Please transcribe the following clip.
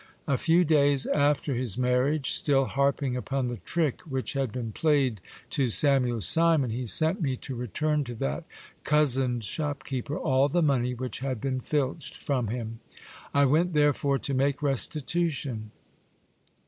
A few days after his marriage, still harping upon the trick which had been played to Samuel Simon, he sent me to return to that cozened shopkeeper all the money which had been filched from him. I went therefore to make restitution.